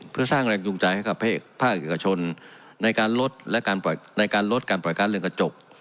เพื่อสร้างแรงยุ่งใจให้ภาคอักษณ์กระชนในการลดการปล่อยการเลือกกระจก